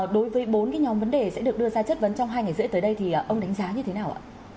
đối với bốn cái nhóm vấn đề sẽ được đưa ra chất vấn trong hai ngày rưỡi tới đây thì ông đánh giá như thế nào ạ